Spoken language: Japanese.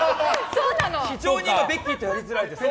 非常に今、ベッキーとやりづらいです。